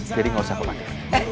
jadi gak usah kemana mana